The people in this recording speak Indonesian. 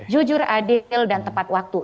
jujur adil dan tepat waktu